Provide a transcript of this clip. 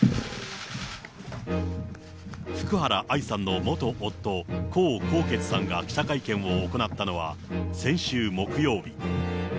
福原愛さんの元夫、江宏傑さんが記者会見を行ったのは、先週木曜日。